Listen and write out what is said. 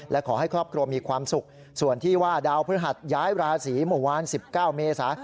และขอให้ครอบครัวมีความสุขส่วนที่ว่าดาวพฤหัสย้ายราศีเมื่อวาน๑๙เมษา